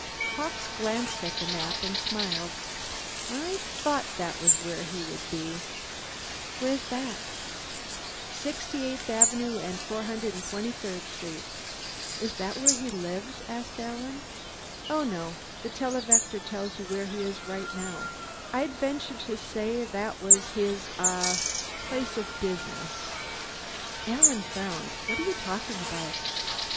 Hawkes glanced at the map and smiled. "I thought that was where he would be!" "Where's that?" "68th Avenue and 423rd Street." "Is that where he lives?" Alan asked. "Oh, no. The televector tells you where he is right now. I'd venture to say that was his ah place of business." Alan frowned. "What are you talking about?"